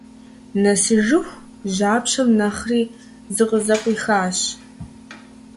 Нэсыжыху жьапщэм нэхъри зыкъызэкъуихащ.